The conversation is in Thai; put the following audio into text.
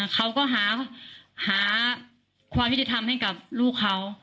เขาก็หาความยุติธรรมให้กับลูกเขา